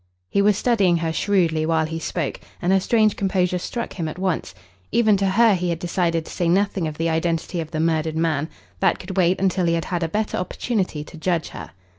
He was studying her shrewdly while he spoke, and her strange composure struck him at once. Even to her he had decided to say nothing of the identity of the murdered man. That could wait until he had had a better opportunity to judge her.